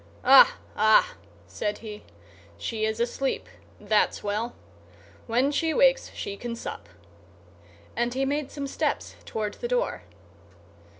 "Ah, ah!" said he, "she is asleep; that's well. When she wakes she can sup." And he made some steps toward the door.